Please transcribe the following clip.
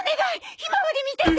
ひまわり見てて！